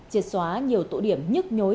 triệt xóa nhiều tụ điểm nhức nhuộm